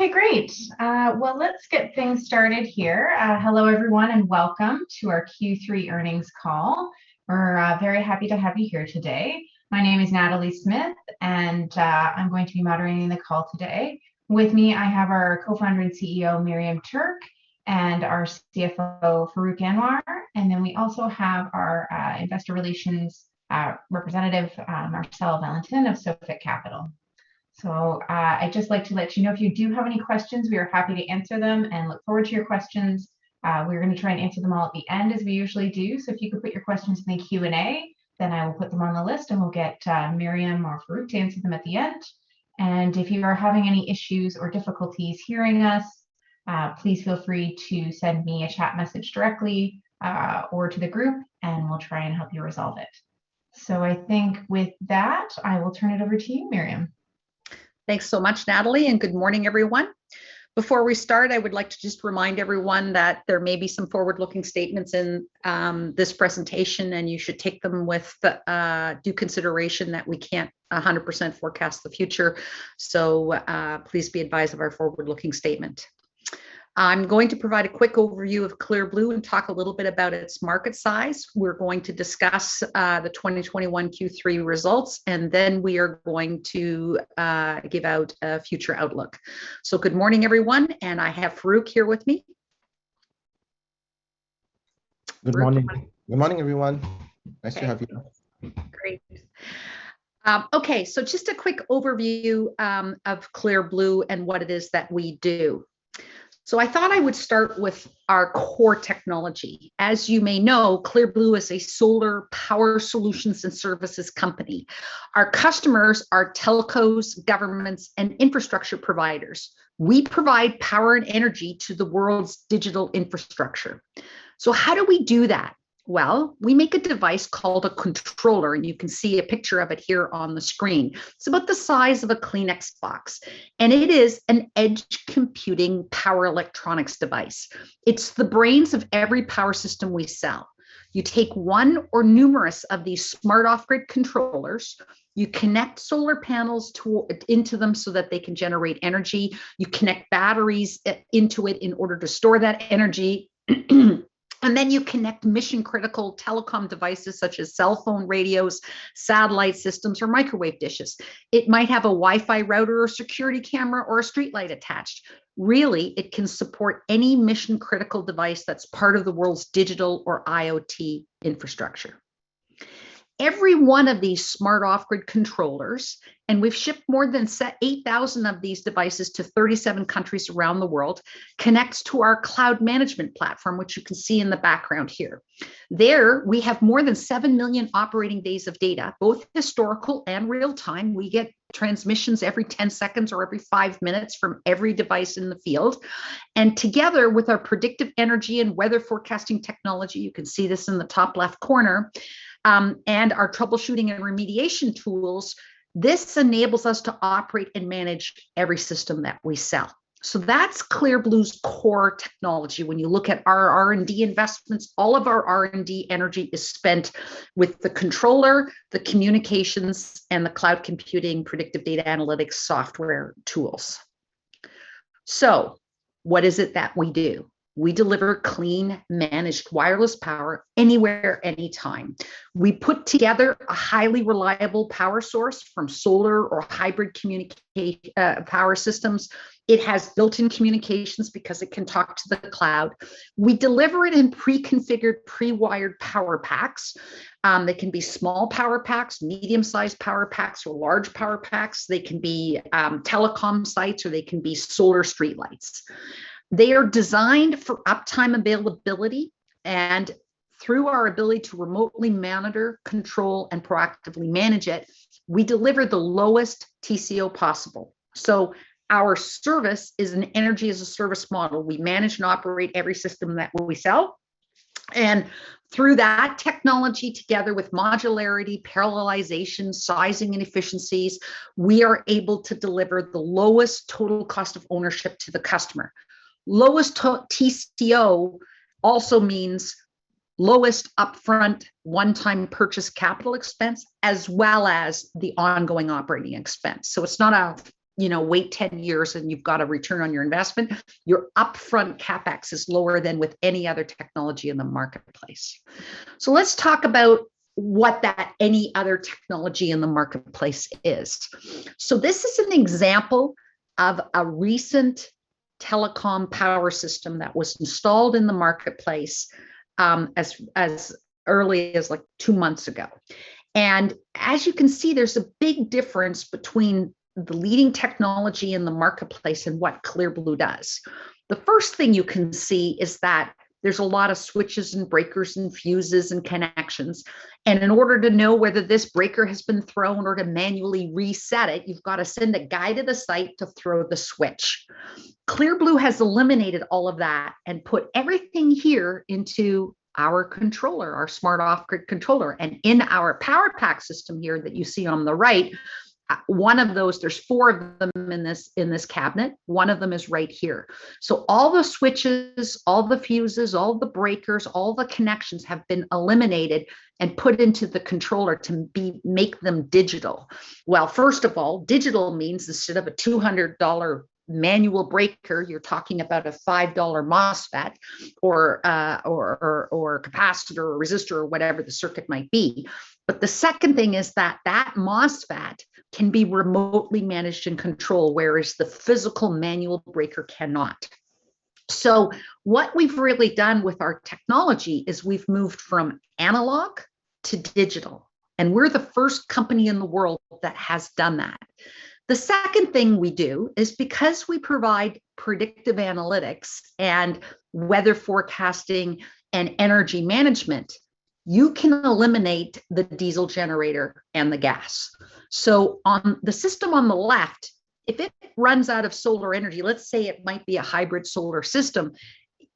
Okay, great. Well, let's get things started here. Hello, everyone, and welcome to our Q3 earnings call. We're very happy to have you here today. My name is Natalie Smith, and I'm going to be moderating the call today. With me, I have our Co-founder and CEO, Miriam Tuerk, and our CFO, Farrukh Anwar, and then we also have our Investor Relations Representative, Marc Valentin of Sophic Capital. I'd just like to let you know if you do have any questions, we are happy to answer them and look forward to your questions. We're gonna try and answer them all at the end as we usually do. If you could put your questions in the Q&A, then I will put them on the list, and we'll get Miriam or Farrukh to answer them at the end. If you are having any issues or difficulties hearing us, please feel free to send me a chat message directly, or to the group, and we'll try and help you resolve it. I think with that, I will turn it over to you, Miriam. Thanks so much, Natalie, and good morning, everyone. Before we start, I would like to just remind everyone that there may be some forward-looking statements in this presentation, and you should take them with due consideration that we can't 100% forecast the future. Please be advised of our forward-looking statement. I'm going to provide a quick overview of Clear Blue and talk a little bit about its market size. We're going to discuss the 2021 Q3 results, and then we are going to give out a future outlook. Good morning, everyone, and I have Farrukh here with me. Good morning. Good morning. Good morning, everyone. Nice to have you. Great. Okay, so just a quick overview of Clear Blue and what it is that we do. I thought I would start with our core technology. As you may know, Clear Blue is a solar power solutions and services company. Our customers are telcos, governments, and infrastructure providers. We provide power and energy to the world's digital infrastructure. How do we do that? We make a device called a controller, and you can see a picture of it here on the screen. It's about the size of a Kleenex box, and it is an edge computing power electronics device. It's the brains of every power system we sell. You take one or numerous of these Smart Off-Grid Controllers, you connect solar panels into them so that they can generate energy, you connect batteries into it in order to store that energy and then you connect mission-critical telecom devices such as cell phone radios, satellite systems or microwave dishes. It might have a Wi-Fi router or security camera or a streetlight attached. Really, it can support any mission-critical device that's part of the world's digital or IoT infrastructure. Every one of these Smart Off-Grid Controllers, and we've shipped more than 8,000 of these devices to 37 countries around the world, connects to our cloud management platform, which you can see in the background here. There, we have more than 7 million operating days of data, both historical and real-time. We get transmissions every 10 seconds or every five minutes from every device in the field. Together with our predictive energy and weather forecasting technology, you can see this in the top left corner, and our troubleshooting and remediation tools, this enables us to operate and manage every system that we sell. That's Clear Blue's core technology. When you look at our R&D investments, all of our R&D energy is spent with the controller, the communications, and the cloud computing predictive data analytics software tools. What is it that we do? We deliver clean, managed wireless power anywhere, anytime. We put together a highly. It has built-in communications because it can talk to the cloud. We deliver it in pre-configured, pre-wired power packs. They can be small power packs, medium-sized power packs or large power packs. They can be telecom sites or they can be solar streetlights. They are designed for uptime availability, and through our ability to remotely monitor, control and proactively manage it, we deliver the lowest TCO possible. Our service is an Energy-as-a-Service model. We manage and operate every system that we sell. Through that technology together with modularity, parallelization, sizing and efficiencies, we are able to deliver the lowest Total Cost of Ownership to the customer. Lowest TCO also means lowest upfront one-time purchase capital expense as well as the ongoing operating expense. It's not a, you know, wait 10 years and you've got a return on your investment. Your upfront CapEx is lower than with any other technology in the marketplace. Let's talk about what that any other technology in the marketplace is. This is an example of a recent Telecom Power System that was installed in the marketplace, as early as like two months ago. As you can see, there's a big difference between the leading technology in the marketplace and what Clear Blue does. The first thing you can see is that there's a lot of switches and breakers and fuses and connections. In order to know whether this breaker has been thrown or to manually reset it, you've got to send a guy to the site to throw the switch. Clear Blue has eliminated all of that and put everything here into our controller, our Smart Off-Grid Controller. In our Power Pack system here that you see on the right. One of those, there's four of them in this cabinet. One of them is right here. All the switches, all the fuses, all the breakers, all the connections have been eliminated and put into the controller to make them digital. First of all, digital means instead of a 200 dollar manual breaker, you're talking about a 5 dollar MOSFET or Capacitor Resistor or whatever the circuit might be. The second thing is that that MOSFET can be remotely managed and controlled, whereas the physical manual breaker cannot. What we've really done with our technology is we've moved from analog to digital, and we're the first company in the world that has done that. The second thing we do is because we provide predictive analytics and weather forecasting and energy management, you can eliminate the diesel generator and the gas. On the system on the left, if it runs out of solar energy, let's say it might be a hybrid solar system,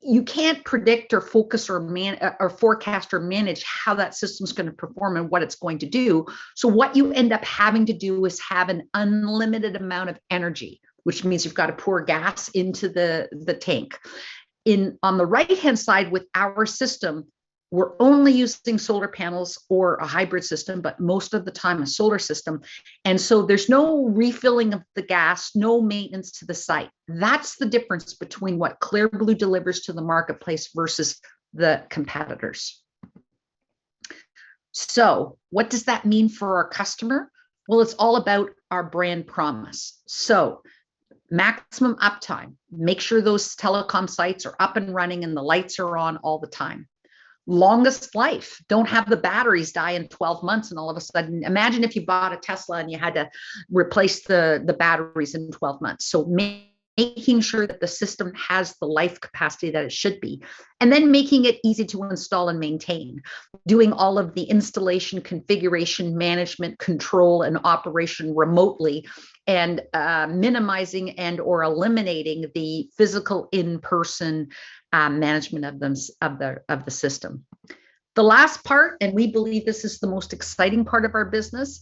you can't predict or focus or forecast or manage how that system's gonna perform and what it's going to do. What you end up having to do is have an unlimited amount of energy, which means you've got to pour gas into the tank. On the right-hand side with our system, we're only using solar panels or a hybrid system, but most of the time a solar system. There's no refilling of the gas, no maintenance to the site. That's the difference between what Clear Blue delivers to the marketplace versus the competitors. What does that mean for our customer? Well, it's all about our brand promise. Maximum uptime, make sure those telecom sites are up and running and the lights are on all the time. Longest life, don't have the batteries die in 12 months and all of a sudden, imagine if you bought a Tesla and you had to replace the batteries in 12 months. Making sure that the system has the life capacity that it should be, and then making it easy to install and maintain, doing all of the installation, configuration, management, control, and operation remotely and minimizing and/or eliminating the physical in-person management of the system. The last part, and we believe this is the most exciting part of our business,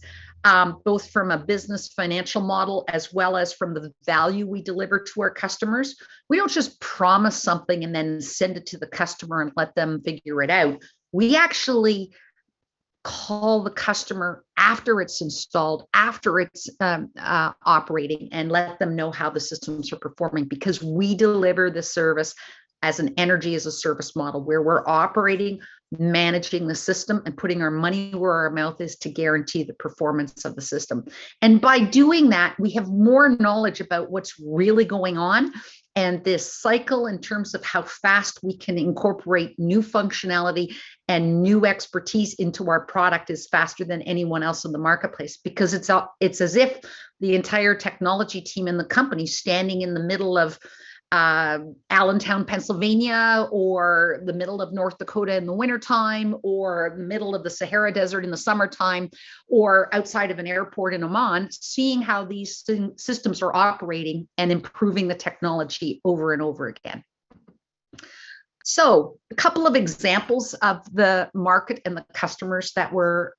both from a business financial model as well as from the value we deliver to our customers. We don't just promise something and then send it to the customer and let them figure it out. We actually call the customer after it's installed, after it's operating, and let them know how the systems are performing because we deliver the service as an Energy-as-a-Service model, where we're operating, managing the system, and putting our money where our mouth is to guarantee the performance of the system. By doing that, we have more knowledge about what's really going on, and this cycle in terms of how fast we can incorporate new functionality and new expertise into our product is faster than anyone else in the marketplace. Because it's as if the entire technology team in the company is standing in the middle of Allentown, Pennsylvania or the middle of North Dakota in the wintertime or the middle of the Sahara Desert in the summertime or outside of an airport in Oman, seeing how these systems are operating and improving the technology over and over again. A couple of examples of the market and the customers that we're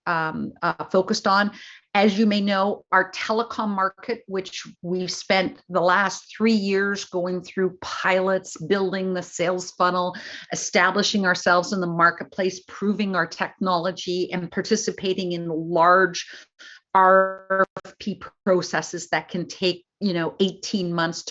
focused on. As you may know, our Telecom market, which we've spent the last three years going through pilots, building the sales funnel, establishing ourselves in the marketplace, proving our technology, and participating in large RFP processes that can take 18 months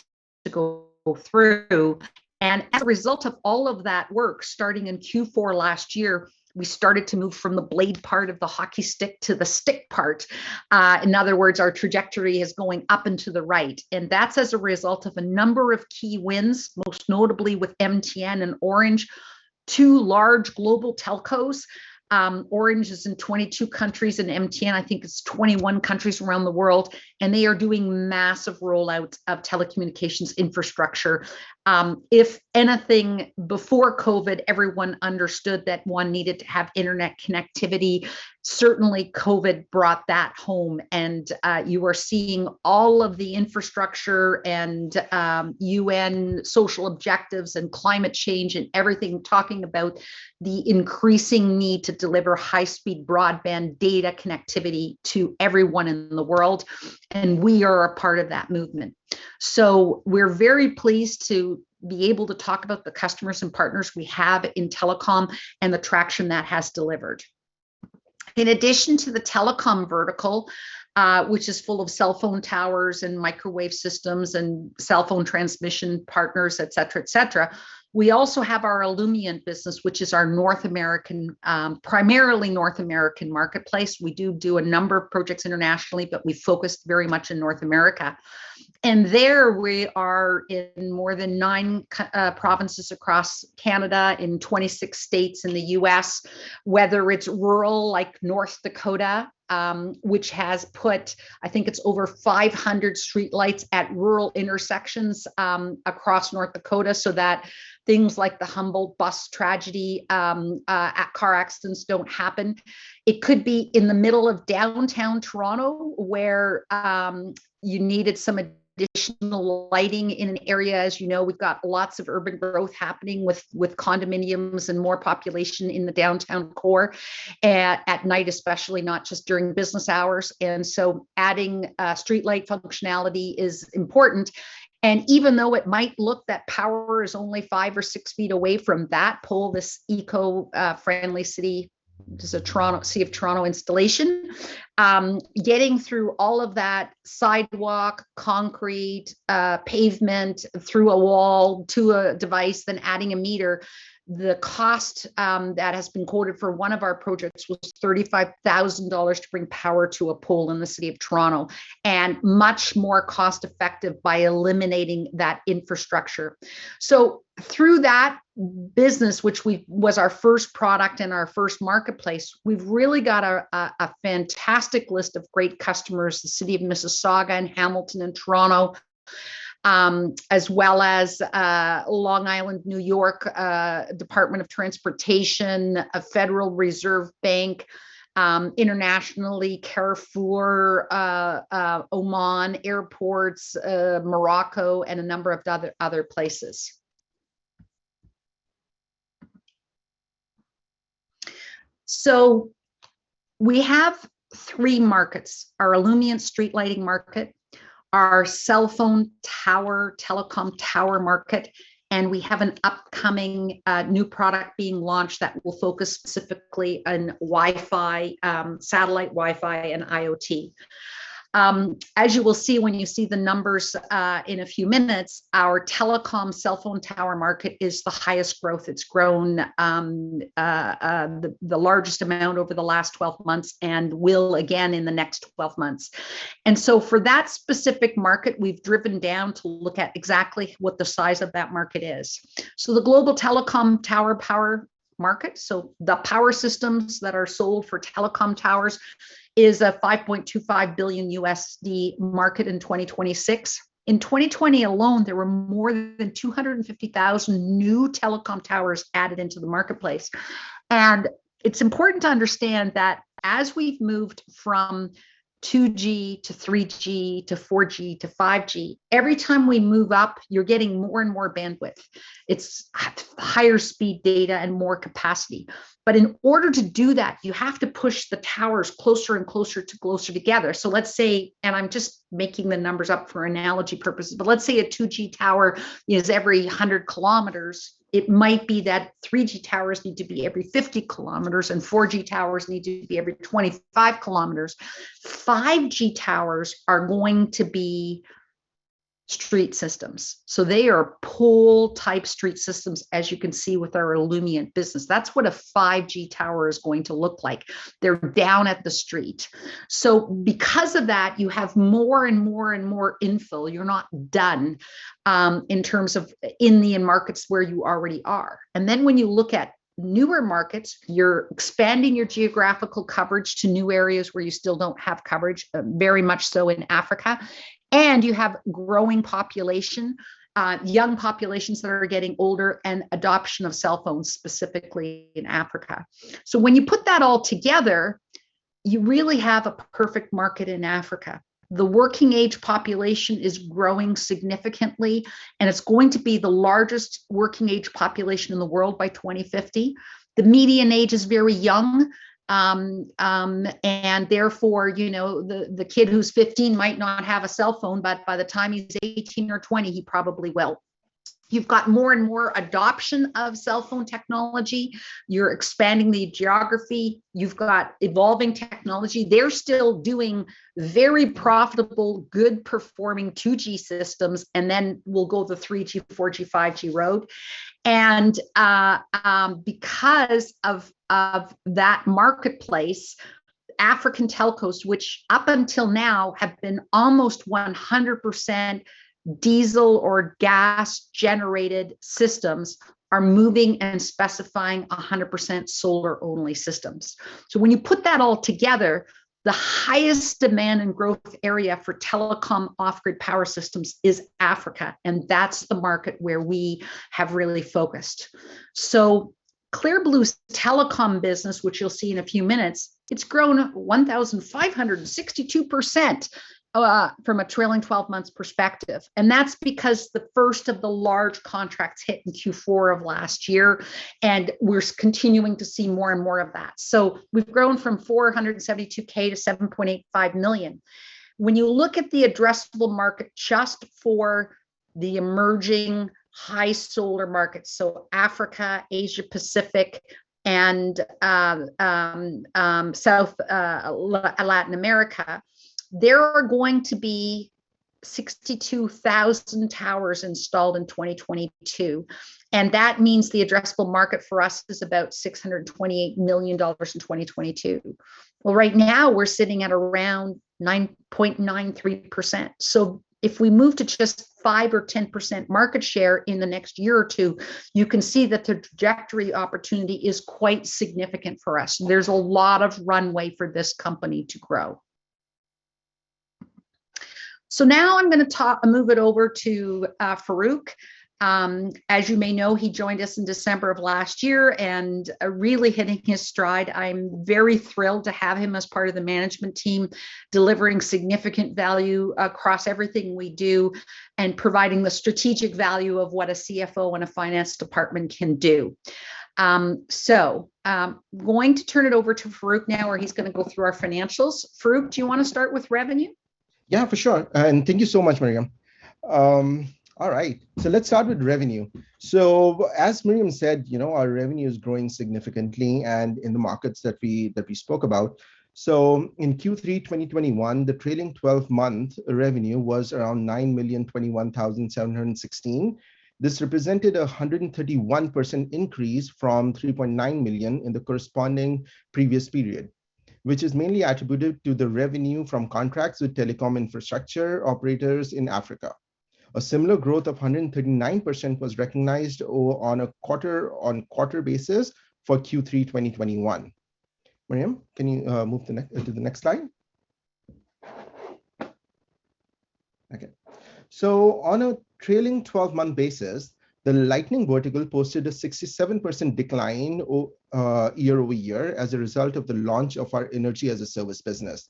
to go through. As a result of all of that work, starting in Q4 last year, we started to move from the blade part of the hockey stick to the stick part. In other words, our trajectory is going up and to the right, and that's as a result of a number of key wins, most notably with MTN and Orange, two large global telcos. Orange is in 22 countries, and MTN I think is 21 countries around the world, and they are doing massive rollouts of telecommunications infrastructure. If anything, before COVID, everyone understood that one needed to have internet connectivity. Certainly, COVID brought that home, and you are seeing all of the infrastructure and UN social objectives and climate change and everything talking about the increasing need to deliver high-speed broadband data connectivity to everyone in the world, and we are a part of that movement. We're very pleased to be able to talk about the customers and partners we have in Telecom and the traction that has delivered. In addition to the Telecom vertical, which is full of cell phone towers and microwave systems and cell phone transmission partners, etc., etc., we also have our Illumient business, which is our North American, primarily North American marketplace. We do a number of projects internationally, but we focus very much in North America. There we are in more than nine provinces across Canada, in 26 states in the U.S., whether it's rural like North Dakota, which has put I think it's over 500 streetlights at rural intersections, across North Dakota so that things like the Humboldt bus tragedy, at car accidents don't happen. It could be in the middle of downtown Toronto where you needed some additional lighting in an area. As you know, we've got lots of urban growth happening with condominiums and more population in the downtown core at night especially, not just during business hours. Adding streetlight functionality is important. Even though it might look that power is only five or six feet away from that pole, this eco-friendly city, just a Toronto City of Toronto installation getting through all of that sidewalk, concrete, pavement, through a wall to a device, then adding a meter the cost that has been quoted for one of our projects was 35,000 dollars to bring power to a pole in the City of Toronto and much more cost effective by eliminating that infrastructure. Through that business, which was our first product and our first marketplace, we've really got a fantastic list of great customers, the City of Mississauga and Hamilton and Toronto, as well as Long Island, New York State Department of Transportation, a Federal Reserve Bank, internationally, Carrefour, Oman Airports, Morocco and a number of other places. We have three markets, our Illumient street lighting market, our cell phone tower telecom tower market, and we have an upcoming new product being launched that will focus specifically on Wi-Fi, satellite Wi-Fi and IoT. As you will see when you see the numbers in a few minutes, our Telecom cell phone tower market is the highest growth. It's grown the largest amount over the last 12 months and will again in the next 12 months. For that specific market, we've driven down to look at exactly what the size of that market is. The global telecom tower power market, the power systems that are sold for telecom towers, is a $5.25 million market in 2026. In 2020 alone, there were more than 250,000 new telecom towers added into the marketplace. It's important to understand that as we've moved from 2G to 3G to 4G to 5G, every time we move up, you're getting more and more bandwidth. It's higher speed data and more capacity. In order to do that, you have to push the towers closer and closer together. Let's say, and I'm just making the numbers up for analogy purposes, but let's say a 2G tower is every 100 km. It might be that 3G towers need to be every 50 km, and 4G towers need to be every 25 km. 5G towers are going to be street systems. They are pole type street systems, as you can see with our Illumient business. That's what a 5G tower is going to look like. They're down at the street. Because of that, you have more and more and more infill. You're not done, in terms of the markets where you already are. When you look at newer markets, you're expanding your geographical coverage to new areas where you still don't have coverage, very much so in Africa. You have growing population, young populations that are getting older and adoption of cell phones, specifically in Africa. When you put that all together, you really have a perfect market in Africa. The working age population is growing significantly, and it's going to be the largest working age population in the world by 2050. The median age is very young, and therefore, you know, the kid who's 15 might not have a cell phone, but by the time he's 18 or 20, he probably will. You've got more and more adoption of cell phone technology. You're expanding the geography. You've got evolving technology. They're still doing very profitable, good performing 2G systems, and then will go the 3G, 4G, 5G road. Because of that marketplace, African telcos, which up until now have been almost 100% diesel or gas generated systems, are moving and specifying a 100% solar only systems. When you put that all together, the highest demand and growth area for Telecom Off-Grid Power System is Africa, and that's the market where we have really focused. Clear Blue's Telecom business, which you'll see in a few minutes, it's grown 1,562% from a trailing 12 months perspective. That's because the first of the large contracts hit in Q4 of last year, and we're continuing to see more and more of that. We've grown from $472,000 $7.85 million. When you look at the addressable market just for the emerging high solar markets, Africa, Asia Pacific, and Latin America, there are going to be 62,000 towers installed in 2022. That means the addressable market for us is about $628 million in 2022. Well, right now we're sitting at around 9.93%. If we move to just 5%-10% market share in the next year or two, you can see that the trajectory opportunity is quite significant for us. There's a lot of runway for this company to grow. Now I'm gonna move it over to Farrukh. As you may know, he joined us in December of last year and really hitting his stride. I'm very thrilled to have him as part of the management team, delivering significant value across everything we do and providing the strategic value of what a CFO and a Finance Department can do. Going to turn it over to Farrukh now, where he's gonna go through our financials. Farrukh, do you wanna start with revenue? Yeah, for sure. Thank you so much, Miriam. All right, let's start with revenue. As Miriam said, you know, our revenue is growing significantly and in the markets that we spoke about. In Q3 2021, the trailing 12-month revenue was around 9,021,716. This represented a 131% increase from 3.9 million in the corresponding previous period, which is mainly attributed to the revenue from contracts with telecom infrastructure operators in Africa. A similar growth of 139% was recognized on a quarter-on-quarter basis for Q3 2021. Miriam, can you move to the next slide? Okay. On a trailing 12-month basis, the lighting vertical posted a 67% decline year-over-year as a result of the launch of our Energy-as-a-Service business.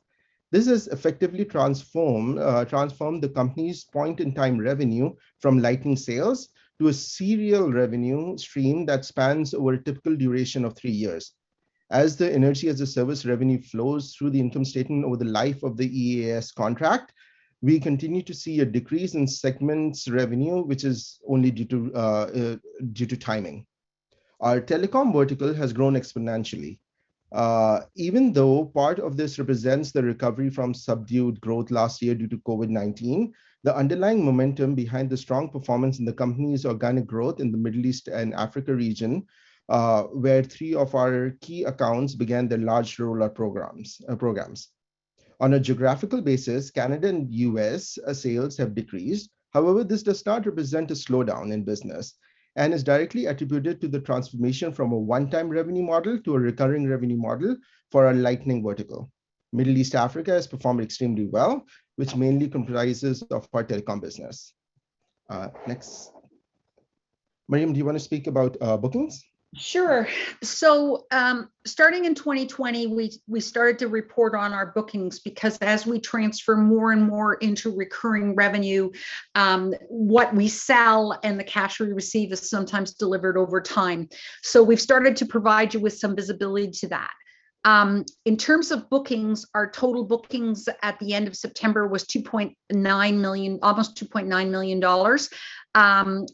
This has effectively transformed the company's point-in-time revenue from lighting sales to a recurring revenue stream that spans over a typical duration of three years. As the Energy-as-a-Service revenue flows through the income statement over the life of the EaaS contract, we continue to see a decrease in the segment's revenue, which is only due to timing. Our Telecom vertical has grown exponentially. Even though part of this represents the recovery from subdued growth last year due to COVID-19, the underlying momentum behind the strong performance in the company's organic growth in the Middle East and Africa region, where three of our key accounts began their large rollout programs. On a geographical basis, Canada and U.S. sales have decreased. However, this does not represent a slowdown in business and is directly attributed to the transformation from a one-time revenue model to a recurring revenue model for our lighting vertical. Middle East and Africa has performed extremely well, which mainly comprises of our Telecom business. Next. Miriam, do you wanna speak about bookings? Sure. Starting in 2020, we started to report on our bookings because as we transfer more and more into recurring revenue, what we sell and the cash we receive is sometimes delivered over time. We've started to provide you with some visibility to that. In terms of bookings, our total bookings at the end of September was 2.9 million, almost 2.9 million dollars,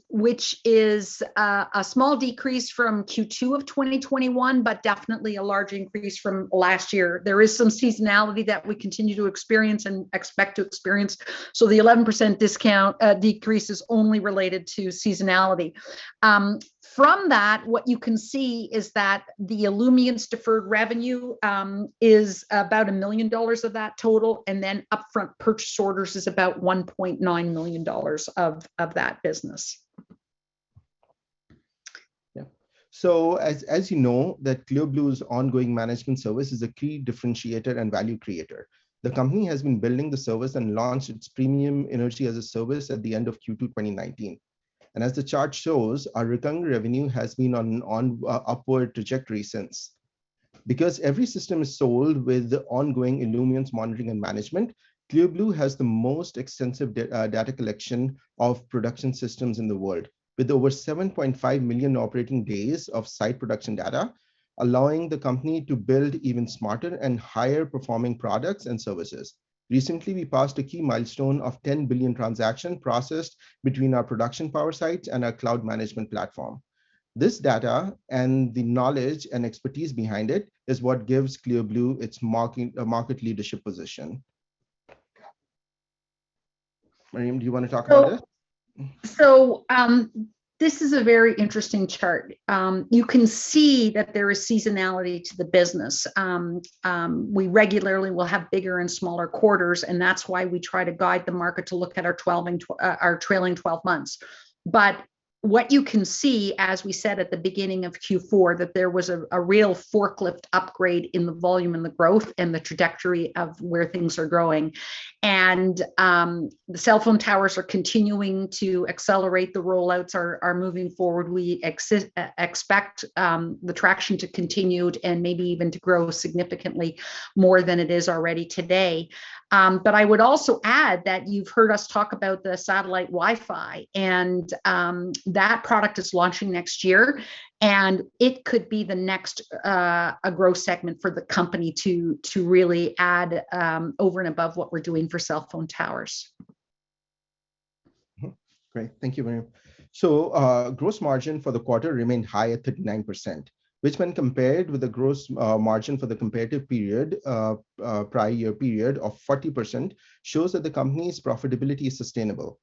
which is a small decrease from Q2 of 2021, but definitely a large increase from last year. There is some seasonality that we continue to experience and expect to experience, so the 11% decrease is only related to seasonality. From that, what you can see is that the Illumient's deferred revenue is about 1 million dollars of that total, and then upfront purchase orders is about 1.9 million dollars of that business. As you know, Clear Blue's ongoing management service is a key differentiator and value creator. The company has been building the service and launched its premium Energy-as-a-Service at the end of Q2 2019. As the chart shows, our recurring revenue has been on a upward trajectory since. Because every system is sold with the ongoing Illumient's monitoring and management, Clear Blue has the most extensive data collection of production systems in the world, with over 7.5 million operating days of site production data, allowing the company to build even smarter and higher performing products and services. Recently, we passed a key milestone of 10 billion transactions processed between our production power sites and our cloud management platform. This data and the knowledge and expertise behind it is what gives Clear Blue its market leadership position. Miriam, do you wanna talk about this? This is a very interesting chart. You can see that there is seasonality to the business. We regularly will have bigger and smaller quarters, and that's why we try to guide the market to look at our trailing 12 months. What you can see, as we said at the beginning of Q4, that there was a real forklift upgrade in the volume and the growth and the trajectory of where things are growing. The cell phone towers are continuing to accelerate. The rollouts are moving forward. We expect the traction to continue and maybe even to grow significantly more than it is already today. I would also add that you've heard us talk about the satellite Wi-Fi, and that product is launching next year, and it could be the next a growth segment for the company to really add over and above what we're doing for cell phone towers. Thank you, Miriam. Gross margin for the quarter remained high at 39%, which when compared with the gross margin for the comparative prior year period of 40%, shows that the company's profitability is sustainable.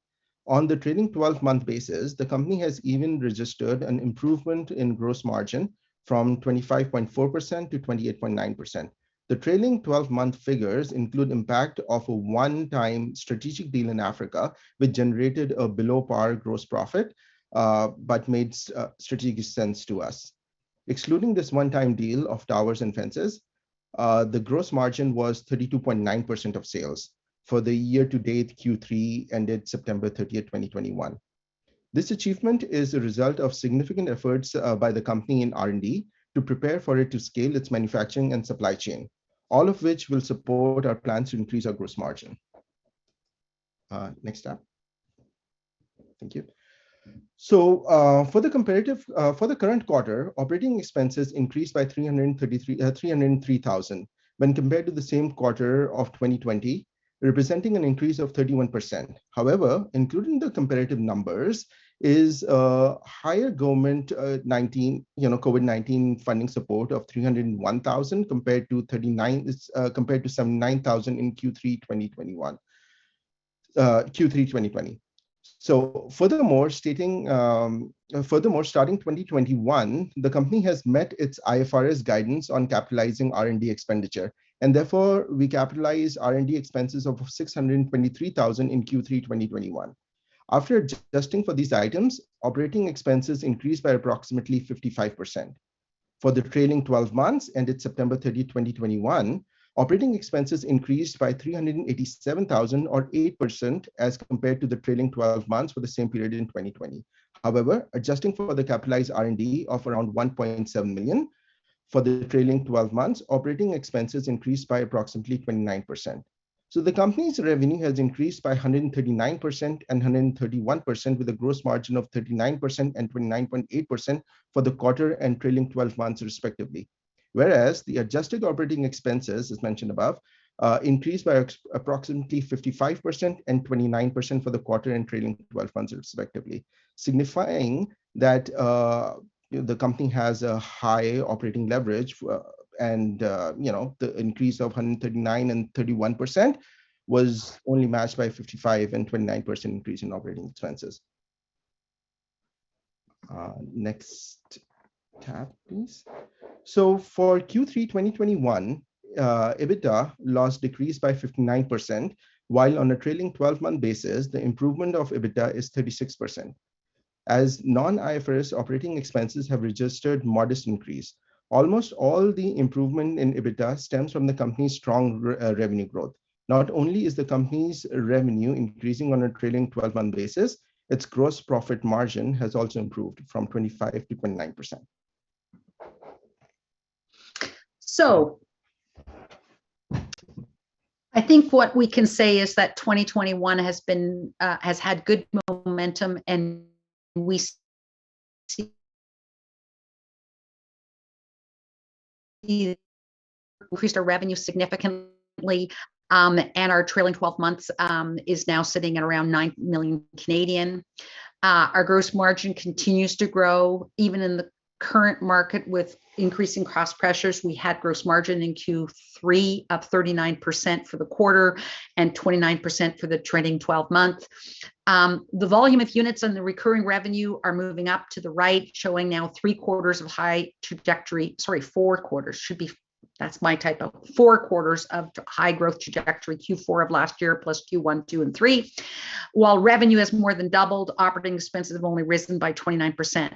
On the trailing 12-month basis, the company has even registered an improvement in gross margin from 25.4% to 28.9%. The trailing 12-month figures include impact of a one-time strategic deal in Africa, which generated a below par gross profit, but made strategic sense to us. Excluding this one-time deal of towers and fences, the gross margin was 32.9% of sales for the year to date Q3 ended September 30, 2021. This achievement is a result of significant efforts by the company in R&D to prepare for it to scale its manufacturing and supply chain, all of which will support our plans to increase our gross margin. Next slide. Thank you. For the current quarter, operating expenses increased by 303,000 when compared to the same quarter of 2020, representing an increase of 31%. However, excluding higher government COVID-19 funding support of 301,000 compared to 79,000 in Q3 2020. Furthermore, starting 2021, the company has met its IFRS guidance on capitalizing R&D expenditure, and therefore we capitalize R&D expenses of 623,000 in Q3 2021. After adjusting for these items, operating expenses increased by approximately 55%. For the trailing 12 months, ended September 30, 2021, operating expenses increased by 387,000 or 8% as compared to the trailing 12 months for the same period in 2020. However, adjusting for the capitalized R&D of around 1.7 million for the trailing 12 month, operating expenses increased by approximately 29%. The company's revenue has increased by 139% and 131% with a gross margin of 39% and 29.8% for the quarter and trailing 12 months, respectively. Whereas, the adjusted operating expenses, as mentioned above, increased by approximately 55% and 29% for the quarter and trailing 12 months, respectively. Signifying that, the company has a high operating leverage, and, you know, the increase of 139% and 31% was only matched by 55% and 29% increase in operating expenses. Next tab, please. For Q3 2021, EBITDA loss decreased by 59%, while on a trailing 12-month basis, the improvement of EBITDA is 36%. As non-IFRS operating expenses have registered modest increase, almost all the improvement in EBITDA stems from the company's strong revenue growth. Not only is the company's revenue increasing on a trailing 12-month basis, its gross profit margin has also improved from 25%-29%. I think what we can say is that 2021 has had good momentum, and we've seen our revenue increase significantly, and our trailing 12 months is now sitting at around 9 million. Our gross margin continues to grow even in the current market with increasing cost pressures. We had gross margin in Q3 up 39% for the quarter and 29% for the trailing 12 months. The volume of units and the recurring revenue are moving up to the right, showing now four quarters of high growth trajectory, Q4 of last year, plus Q1, Q2, and Q3. While revenue has more than doubled, operating expenses have only risen by 29%.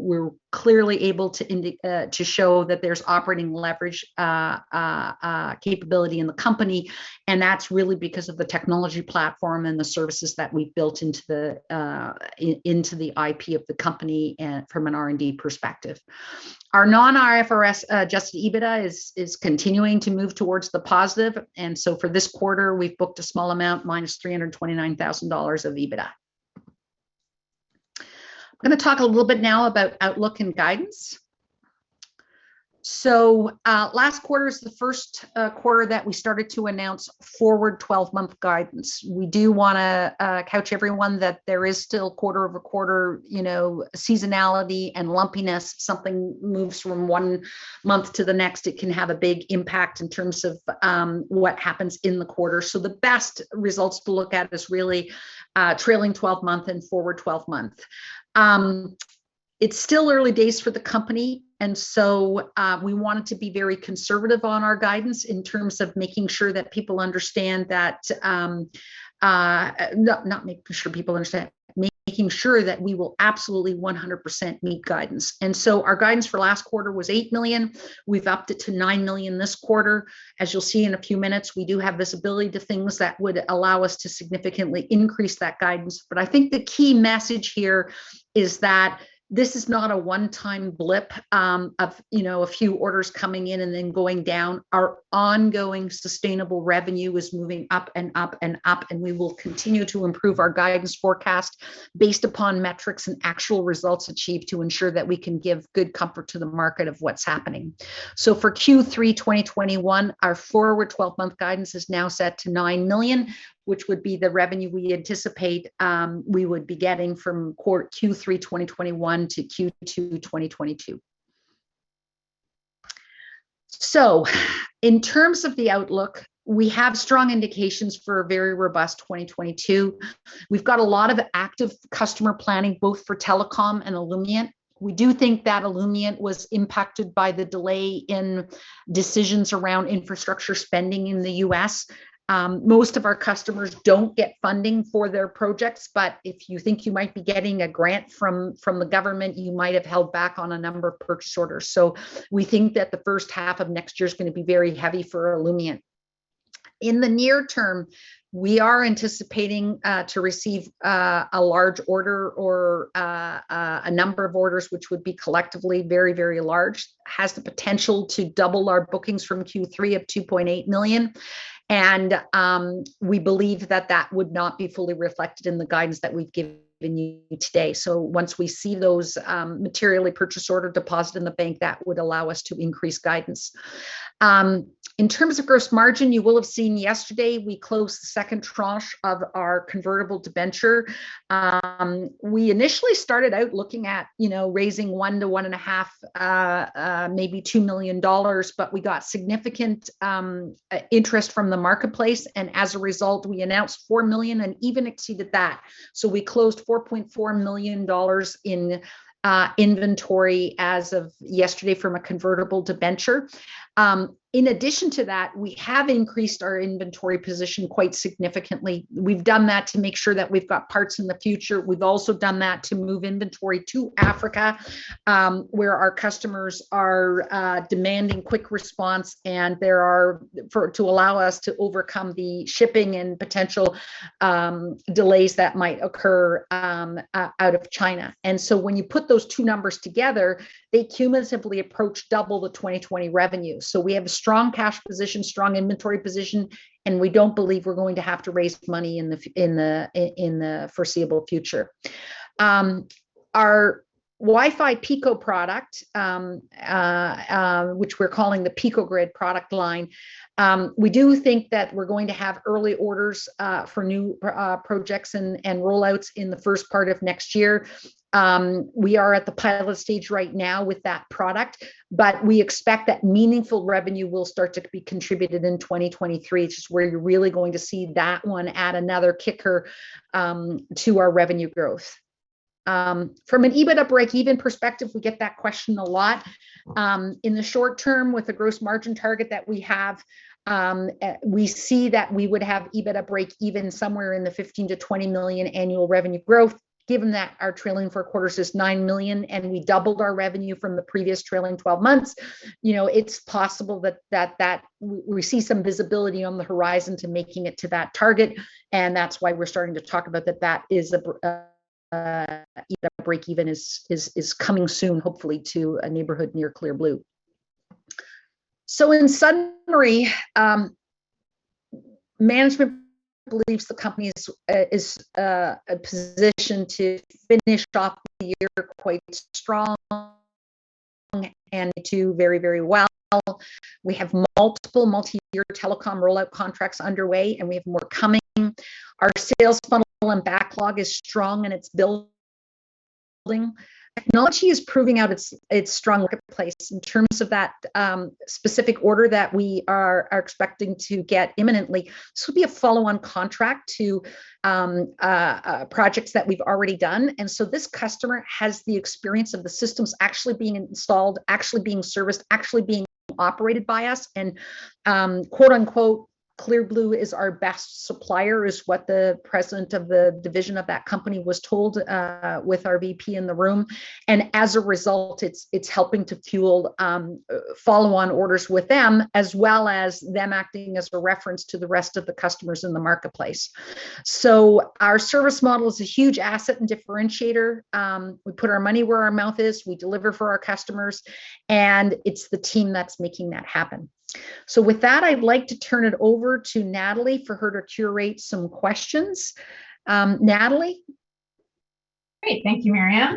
We're clearly able to show that there's operating leverage capability in the company, and that's really because of the technology platform and the services that we built into the IP of the company and from an R&D perspective. Our non-IFRS Adjusted EBITDA is continuing to move towards the positive. For this quarter, we've booked a small amount, -thousand dollars of EBITDA. I'm gonna talk a little bit now about outlook and guidance. Last quarter is the first quarter that we started to announce forward 12-month guidance. We do wanna couch everyone that there is still quarter-over-quarter, you know, seasonality and lumpiness. Something moves from one month to the next, it can have a big impact in terms of what happens in the quarter. The best results to look at is really trailing 12-month and forward 12-month. It's still early days for the company, and so we wanted to be very conservative on our guidance in terms of making sure that we will absolutely 100% meet guidance. Our guidance for last quarter was 8 million. We've upped it to 9 million this quarter. As you'll see in a few minutes, we do have visibility to things that would allow us to significantly increase that guidance. I think the key message here is that this is not a one-time blip of you know a few orders coming in and then going down. Our ongoing sustainable revenue is moving up and up and up, and we will continue to improve our guidance forecast based upon metrics and actual results achieved to ensure that we can give good comfort to the market of what's happening. For Q3 2021, our forward 12-month guidance is now set to 9 million, which would be the revenue we anticipate we would be getting from quarter Q3 2021 to Q2 2022. In terms of the outlook, we have strong indications for a very robust 2022. We've got a lot of active customer planning both for Telecom and Illumient. We do think that Illumient was impacted by the delay in decisions around infrastructure spending in the U.S. Most of our customers don't get funding for their projects, but if you think you might be getting a grant from the government, you might have held back on a number of purchase orders. We think that the first half of next year is gonna be very heavy for Illumient. In the near term, we are anticipating to receive a large order or a number of orders which would be collectively very, very large and has the potential to double our bookings from Q3 of 2.8 million, and we believe that that would not be fully reflected in the guidance that we've given you today. Once we see those material purchase order deposits in the bank, that would allow us to increase guidance. In terms of gross margin, you will have seen yesterday we closed the second tranche of our convertible debenture. We initially started out looking at, you know, raising $1 to $1.5, maybe $2 million, but we got significant interest from the marketplace, and as a result, we announced $4 million and even exceeded that. We closed $4.4 million in inventory as of yesterday from a convertible debenture. In addition to that, we have increased our inventory position quite significantly. We've done that to make sure that we've got parts in the future. We've also done that to move inventory to Africa, where our customers are demanding quick response, to allow us to overcome the shipping and potential delays that might occur out of China. When you put those two numbers together, they cumulatively approach double the 2020 revenue. We have a strong cash position, strong inventory position, and we don't believe we're going to have to raise money in the foreseeable future. Our WiFi Pico product, which we're calling the Pico-Grid product line, we do think that we're going to have early orders for new projects and rollouts in the first part of next year. We are at the pilot stage right now with that product, but we expect that meaningful revenue will start to be contributed in 2023. It's just where you're really going to see that one add another kicker to our revenue growth. From an EBITDA breakeven perspective, we get that question a lot. In the short term, with the gross margin target that we have, we see that we would have EBITDA breakeven somewhere in the 15 million-20 million annual revenue growth, given that our trailing four quarters is 9 million, and we doubled our revenue from the previous trailing 12 months. You know, it's possible that we see some visibility on the horizon to making it to that target, and that's why we're starting to talk about that EBITDA breakeven is coming soon, hopefully, to a neighborhood near Clear Blue. In summary, management believes the company is in a position to finish off the year quite strong and to do very, very well. We have multiple multi-year Telecom rollout contracts underway, and we have more coming. Our sales funnel and backlog is strong, and it's building. Technology is proving out its strong marketplace in terms of that specific order that we are expecting to get imminently. This will be a follow-on contract to projects that we've already done. This customer has the experience of the systems actually being installed, actually being serviced, actually being operated by us. “Clear Blue is our best supplier,” is what the President of the division of that company was told with our VP in the room. As a result, it's helping to fuel follow-on orders with them, as well as them acting as a reference to the rest of the customers in the marketplace. Our service model is a huge asset and differentiator. We put our money where our mouth is. We deliver for our customers, and it's the team that's making that happen. With that, I'd like to turn it over to Natalie for her to curate some questions. Natalie? Great. Thank you, Miriam.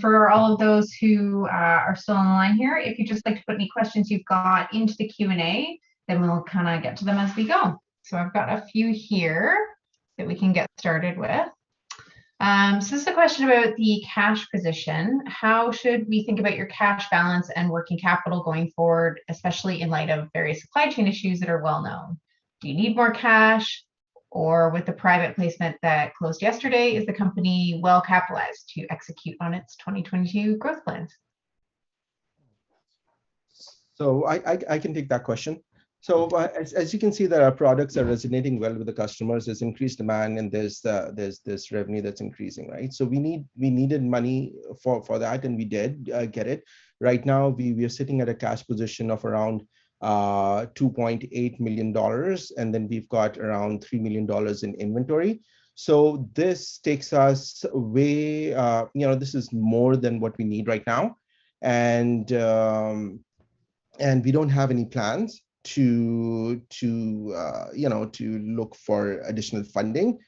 For all of those who are still online here, if you'd just like to put any questions you've got into the Q&A, then we'll kinda get to them as we go. I've got a few here that we can get started with. This is a question about the cash position. How should we think about your cash balance and working capital going forward, especially in light of various supply chain issues that are well-known? Do you need more cash? Or with the private placement that closed yesterday, is the company well-capitalized to execute on its 2022 growth plans? I can take that question. As you can see there, our products are resonating well with the customers. There's increased demand, and there's revenue that's increasing, right? We needed money for that, and we did get it. Right now, we are sitting at a cash position of around 2.8 million dollars, and then we've got around 3 million dollars in inventory. This takes us way, you know, this is more than what we need right now. We don't have any plans to, you know, look for additional funding.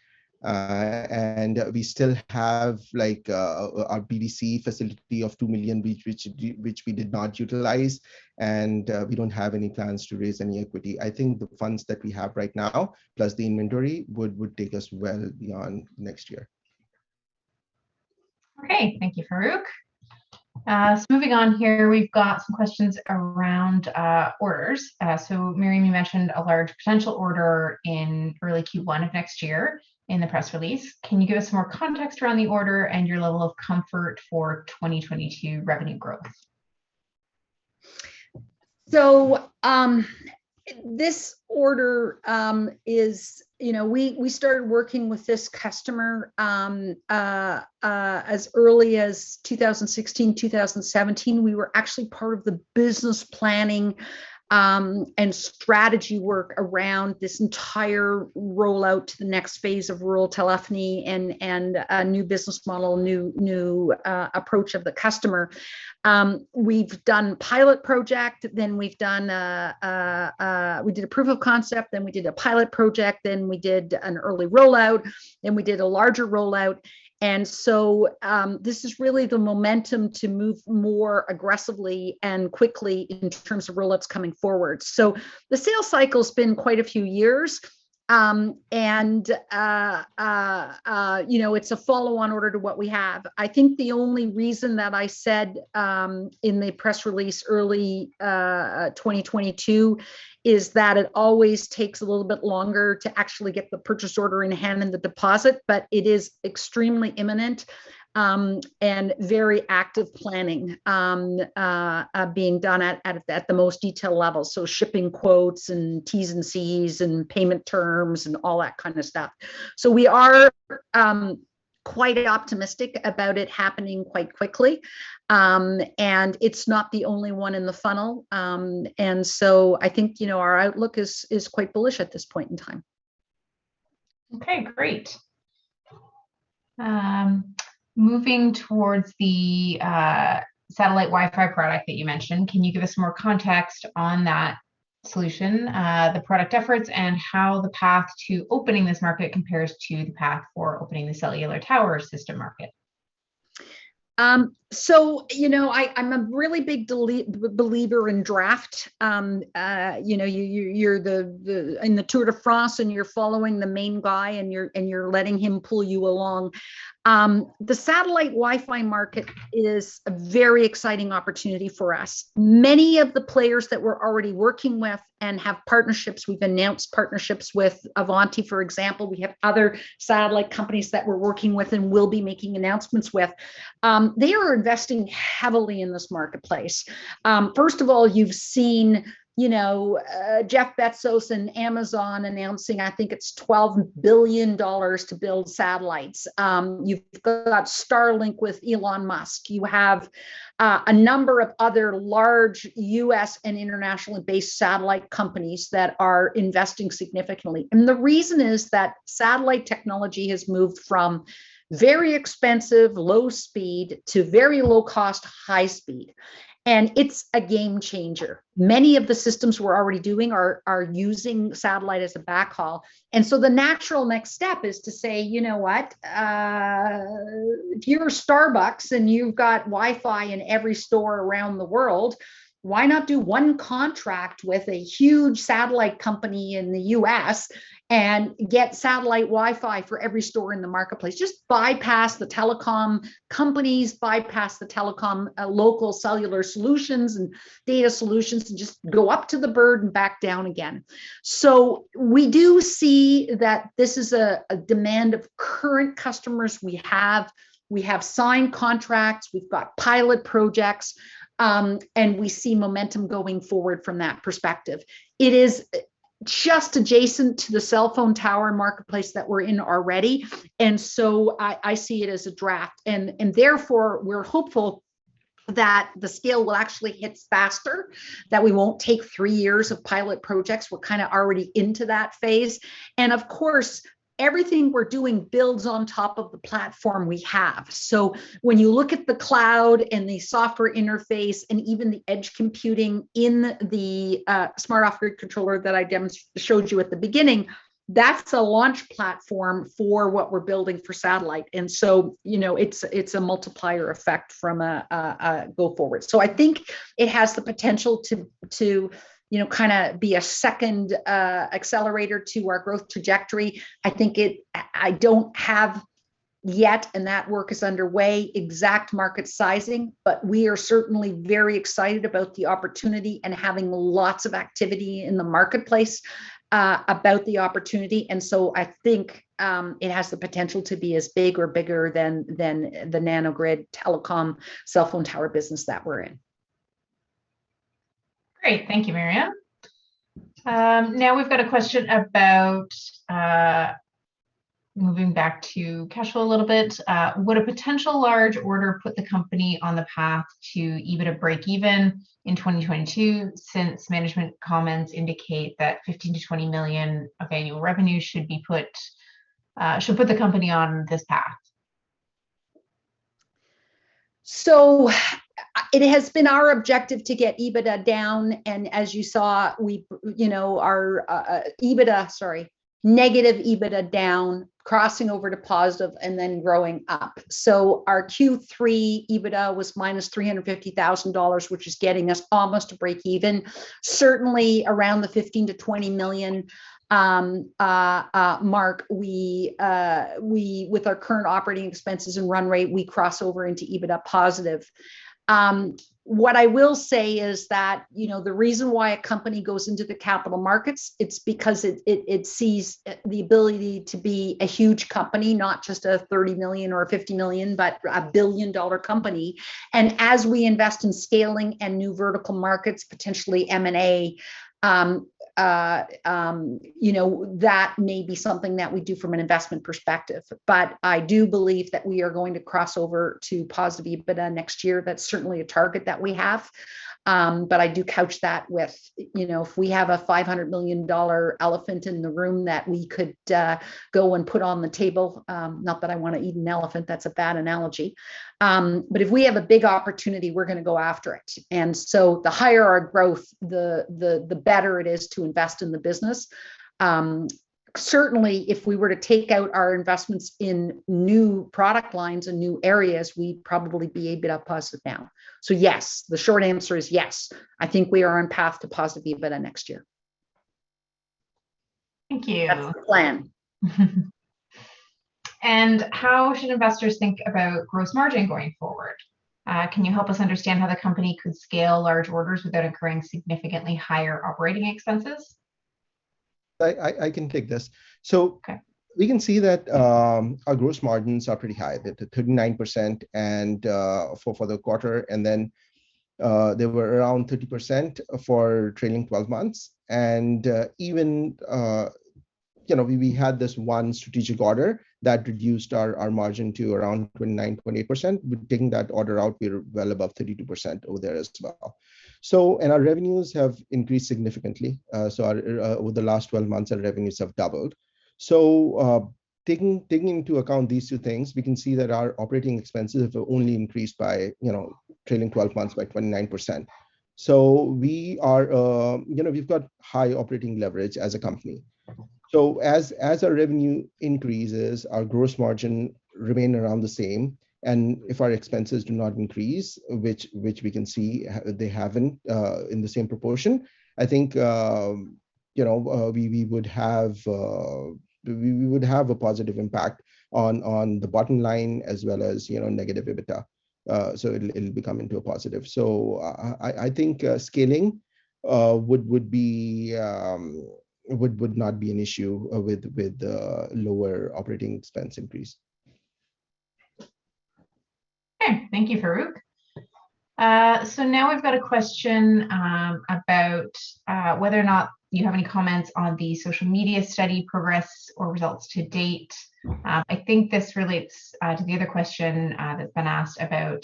We still have, like, our BDC facility of 2 million, which we did not utilize, and we don't have any plans to raise any equity. I think the funds that we have right now, plus the inventory, would take us well beyond next year. Okay. Thank you, Farrukh. Moving on here, we've got some questions around orders. Miriam, you mentioned a large potential order in early Q1 of next year in the press release. Can you give us more context around the order and your level of comfort for 2022 revenue growth? This order is, you know, we started working with this customer as early as 2016, 2017. We were actually part of the business planning and strategy work around this entire rollout to the next phase of rural telephony and a new business model, new approach of the customer. We've done pilot project, then we did a proof of concept, then we did a pilot project, then we did an early rollout, then we did a larger rollout. This is really the momentum to move more aggressively and quickly in terms of rollouts coming forward. The sales cycle's been quite a few years, and you know, it's a follow-on order to what we have. I think the only reason that I said in the press release early 2022 is that it always takes a little bit longer to actually get the purchase order in hand and the deposit, but it is extremely imminent, and very active planning being done at the most detailed level, shipping quotes and T's and C's and payment terms and all that kind of stuff. We are quite optimistic about it happening quite quickly, and it's not the only one in the funnel. I think, you know, our outlook is quite bullish at this point in time. Okay, great. Moving towards the satellite Wi-Fi product that you mentioned, can you give us more context on that solution, the product efforts, and how the path to opening this market compares to the path for opening the cellular tower system market? You know, I'm a really big believer in draft. You know, you're in the Tour de France, and you're following the main guy, and you're letting him pull you along. The satellite Wi-Fi market is a very exciting opportunity for us. Many of the players that we're already working with and have partnerships, we've announced partnerships with Avanti, for example, we have other satellite companies that we're working with and will be making announcements with, they are investing heavily in this marketplace. First of all, you've seen, you know, Jeff Bezos and Amazon announcing I think it's $12 billion to build satellites. You've got Starlink with Elon Musk. You have a number of other large U.S. and internationally based satellite companies that are investing significantly. The reason is that satellite technology has moved from very expensive, low speed to very low cost, high speed. It's a game changer. Many of the systems we're already doing are using satellite as a backhaul. The natural next step is to say, you know what, if you were Starbucks, and you've got Wi-Fi in every store around the world, why not do one contract with a huge satellite company in the U.S. and get satellite Wi-Fi for every store in the marketplace? Just bypass the Telecom companies, bypass the Telecom, local cellular solutions and data solutions to just go up to the bird and back down again. We do see that this is a demand of current customers we have. We have signed contracts, we've got pilot projects, and we see momentum going forward from that perspective. It is just adjacent to the cell phone tower marketplace that we're in already. I see it as a draft. Therefore, we're hopeful that the scale will actually hit faster, that we won't take three years of pilot projects. We're kind of already into that phase. Of course, everything we're doing builds on top of the platform we have. When you look at the cloud and the software interface, and even the edge computing in the Smart Off-Grid Controller that I showed you at the beginning, that's a launch platform for what we're building for satellite. You know, it's a multiplier effect from a go-forward. I think it has the potential to, you know, kind of be a second accelerator to our growth trajectory. I think it. I don't have yet, and that work is underway, exact market sizing, but we are certainly very excited about the opportunity and having lots of activity in the marketplace about the opportunity. I think it has the potential to be as big or bigger than the Nano-Grid Telecom cell phone tower business that we're in. Great. Thank you, Miriam. Now we've got a question about moving back to cash flow a little bit. Would a potential large order put the company on the path to EBITDA break even in 2022 since management comments indicate that 15 million-20 million of annual revenue should put the company on this path? It has been our objective to get EBITDA down, and as you saw, you know, our EBITDA, sorry, negative EBITDA down, crossing over to positive and then growing up. Our Q3 EBITDA was -350,000 dollars, which is getting us almost to break even. Certainly, around the 15 million-20 million mark, with our current operating expenses and run rate, we cross over into EBITDA positive. What I will say is that, you know, the reason why a company goes into the capital markets, it's because it sees the ability to be a huge company, not just a 30 million or a 50 million, but a billion-dollar company. As we invest in scaling and new vertical markets, potentially M&A, you know, that may be something that we do from an investment perspective. I do believe that we are going to cross over to positive EBITDA next year. That's certainly a target that we have, but I do couch that with, you know, if we have a 500 million dollar elephant in the room that we could go and put on the table, not that I wanna eat an elephant, that's a bad analogy. If we have a big opportunity, we're gonna go after it. The higher our growth, the better it is to invest in the business. Certainly if we were to take out our investments in new product lines and new areas, we'd probably be EBITDA positive now. Yes, the short answer is yes. I think we are on path to positive EBITDA next year. Thank you. That's the plan. How should investors think about gross margin going forward? Can you help us understand how the company could scale large orders without incurring significantly higher operating expenses? I can take this. Okay. We can see that our gross margins are pretty high. They're 39% for the quarter, and then they were around 30% for trailing 12 months. Even you know we had this one strategic order that reduced our margin to around 29%-28%, but taking that order out, we're well above 32% over there as well. Our revenues have increased significantly. Over the last 12 months, our revenues have doubled. Taking into account these two things, we can see that our operating expenses have only increased by you know trailing 12 months by 29%. We are you know we've got high operating leverage as a company. As our revenue increases, our gross margin remain around the same, and if our expenses do not increase, which we can see they haven't, in the same proportion, I think, you know, we would have a positive impact on the bottom line as well as, you know, negative EBITDA. It'll be coming to a positive. I think scaling would not be an issue with the lower operating expense increase. Okay. Thank you, Farrukh. Now I've got a question about whether or not you have any comments on the social media study progress or results to date. I think this relates to the other question that's been asked about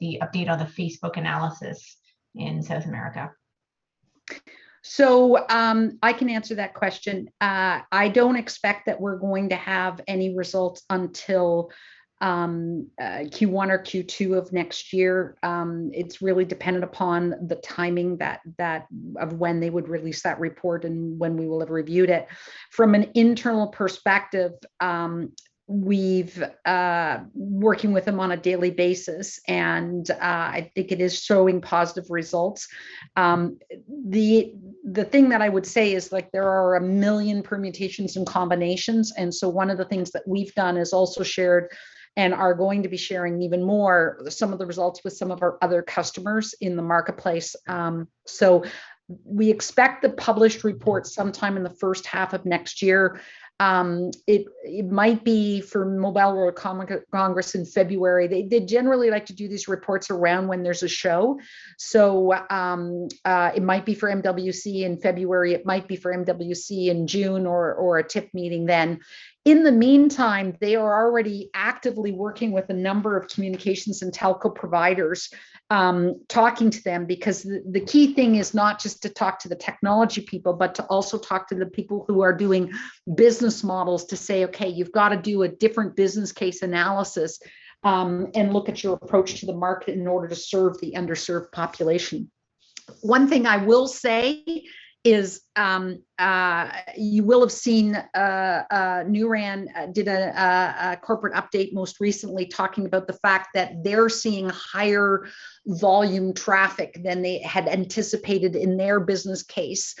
the update on the Facebook analysis in South America. I can answer that question. I don't expect that we're going to have any results until Q1 or Q2 of next year. It's really dependent upon the timing of when they would release that report and when we will have reviewed it. From an internal perspective, we've been working with them on a daily basis and I think it is showing positive results. The thing that I would say is, like, there are a million permutations and combinations, and one of the things that we've done is we've also shared, and are going to be sharing even more, some of the results with some of our other customers in the marketplace. We expect the published report sometime in the first half of next year. It might be for Mobile World Congress in February. They generally like to do these reports around when there's a show. It might be for MWC in February, it might be for MWC in June or a TIP meeting then. In the meantime, they are already actively working with a number of communications and telco providers, talking to them because the key thing is not just to talk to the technology people, but to also talk to the people who are doing business models to say, "Okay, you've got to do a different business case analysis, and look at your approach to the market in order to serve the underserved population." One thing I will say is, you will have seen, NuRAN did a corporate update most recently talking about the fact that they're seeing higher volume traffic than they had anticipated in their business case.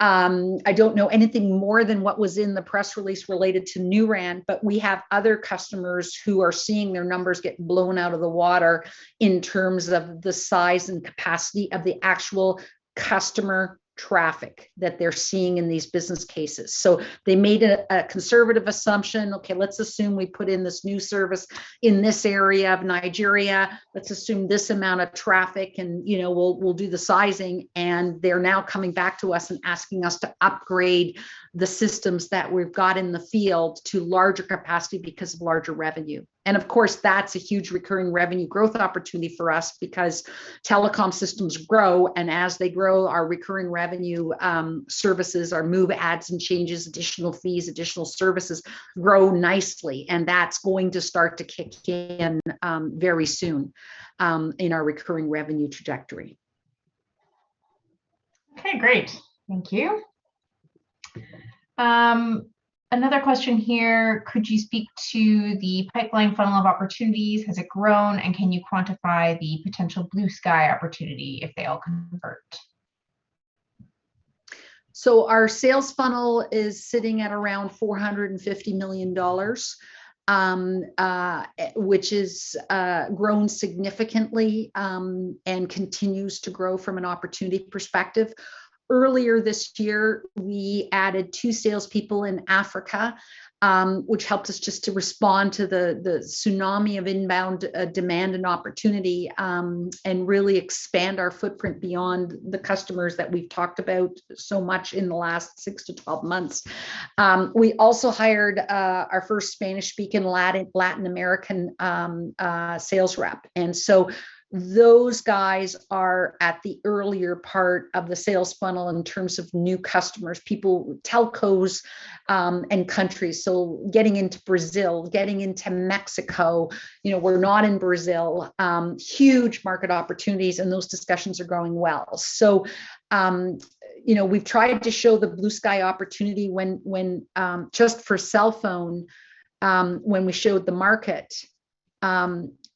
I don't know anything more than what was in the press release related to NuRAN Wireless, but we have other customers who are seeing their numbers get blown out of the water in terms of the size and capacity of the actual customer traffic that they're seeing in these business cases. They made a conservative assumption, "Okay, let's assume we put in this new service in this area of Nigeria. Let's assume this amount of traffic, and, you know, we'll do the sizing." They're now coming back to us and asking us to upgrade the systems that we've got in the field to larger capacity because of larger revenue. Of course, that's a huge recurring revenue growth opportunity for us because telecom systems grow, and as they grow, our recurring revenue services, our move, adds and changes, additional fees, additional services grow nicely. That's going to start to kick in, very soon, in our recurring revenue trajectory. Okay, great. Thank you. Another question here, could you speak to the pipeline funnel of opportunities? Has it grown? Can you quantify the potential Blue Sky opportunity if they all convert? Our sales funnel is sitting at around 450 million dollars, which has grown significantly and continues to grow from an opportunity perspective. Earlier this year, we added two salespeople in Africa, which helped us just to respond to the tsunami of inbound demand and opportunity and really expand our footprint beyond the customers that we've talked about so much in the last six to 12 months. We also hired our first Spanish-speaking Latin American sales rep. Those guys are at the earlier part of the sales funnel in terms of new customers, people, telcos and countries. Getting into Brazil, getting into Mexico, you know, we're not in Brazil. Huge market opportunities, and those discussions are going well. You know, we've tried to show the Blue Sky opportunity when just for cell phone, when we showed the market,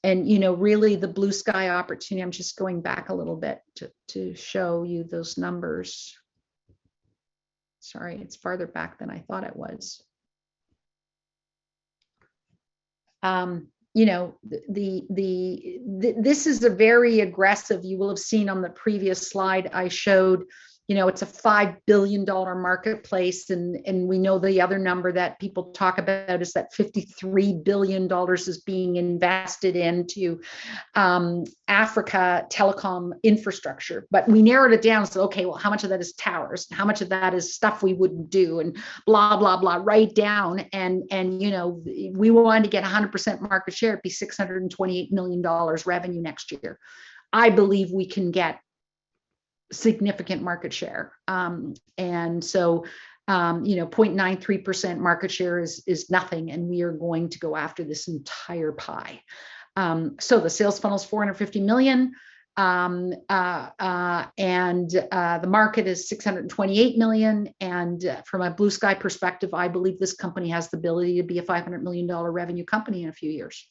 and, you know, really the Blue Sky opportunity. I'm just going back a little bit to show you those numbers. Sorry, it's farther back than I thought it was. You know, this is a very aggressive. You will have seen on the previous slide I showed, you know, it's a $5 billion marketplace, and we know the other number that people talk about is that $53 billion is being invested into Africa telecom infrastructure. But we narrowed it down, so, okay, well, how much of that is towers? How much of that is stuff we wouldn't do? You know, we wanted to get 100% market share, it'd be 628 million dollars revenue next year. I believe we can get significant market share. You know, 0.93% market share is nothing, and we are going to go after this entire pie. The sales funnel is 450 million, and the market is 628 million, and from a Blue Sky perspective, I believe this company has the ability to be a 500 million dollar revenue company in a few years.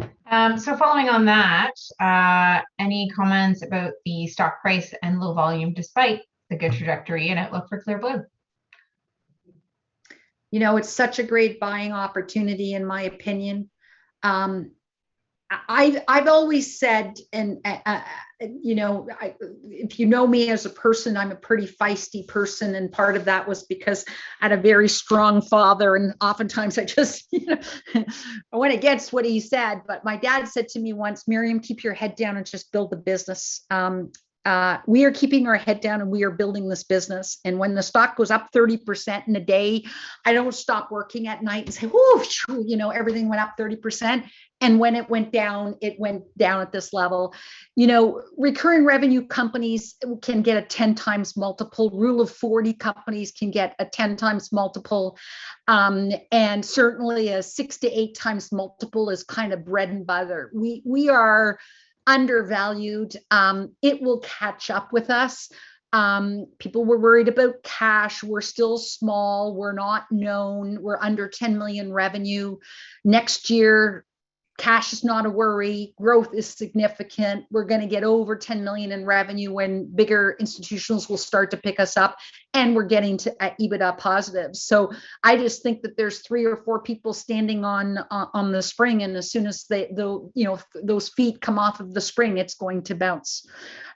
Okay. Following on that, any comments about the stock price and low volume despite the good trajectory in outlook for Clear Blue? You know, it's such a great buying opportunity in my opinion. I've always said, and you know, if you know me as a person, I'm a pretty feisty person, and part of that was because I had a very strong father, and oftentimes I just you know, I went against what he said. My dad said to me once, "Miriam, keep your head down and just build the business." We are keeping our head down, and we are building this business, and when the stock goes up 30% in a day, I don't stop working at night and say, "Whoa," you know, "everything went up 30%." When it went down, it went down at this level. You know, recurring revenue companies can get a 10x multiple. Rule of 40 companies can get a 10x multiple. Certainly a 6x-8x multiple is kind of bread and butter. We are undervalued. It will catch up with us. People were worried about cash. We're still small. We're not known. We're under 10 million revenue. Next year, cash is not a worry. Growth is significant. We're gonna get over 10 million in revenue when bigger institutions will start to pick us up, and we're getting to EBITDA positive. I think that there's three or four people standing on the spring, and as soon as they, you know, those feet come off of the spring, it's going to bounce.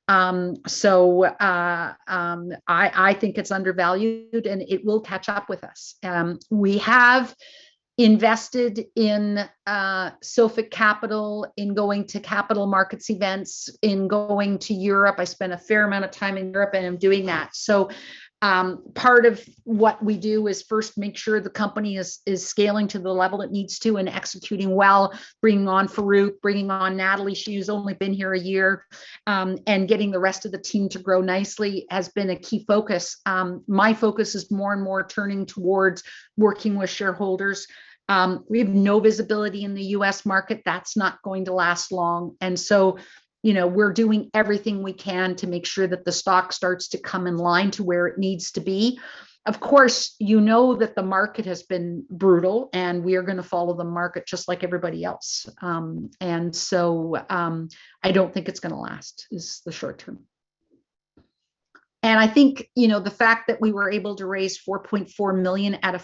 I think it's undervalued, and it will catch up with us. We have invested in Sophic Capital, in going to capital markets events, in going to Europe. I spent a fair amount of time in Europe, and I'm doing that. Part of what we do is first make sure the company is scaling to the level it needs to and executing well, bringing on Farrukh, bringing on Natalie. She's only been here a year. Getting the rest of the team to grow nicely has been a key focus. My focus is more and more turning towards working with shareholders. We have no visibility in the U.S. market. That's not going to last long. You know, we're doing everything we can to make sure that the stock starts to come in line to where it needs to be. Of course, you know that the market has been brutal, and we are gonna follow the market just like everybody else. I don't think it's gonna last, is the short term. I think, you know, the fact that we were able to raise 4.4 million at a